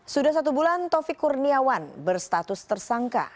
sudah satu bulan taufik kurniawan berstatus tersangka